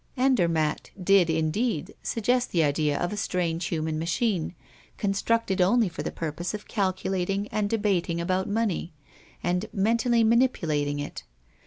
Andermatt did, indeed, suggest the idea of a strange human machine, constructed only for the purpose of calculating and debating about money, and mentally manipulating it.